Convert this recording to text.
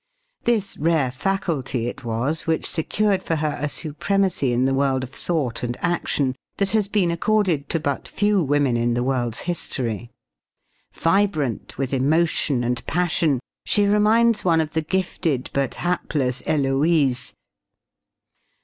This rare faculty it was which secured for her a supremacy in the world of thought and action that has been accorded to but few women in the world's history. Vibrant with emotion and passion, she reminds one of the gifted but hapless Heloise.